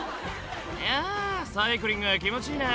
「いやサイクリングは気持ちいいな」